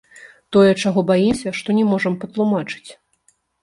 Тое, чаго баімся, што не можам патлумачыць.